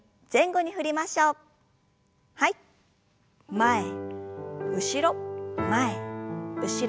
前後ろ前後ろ。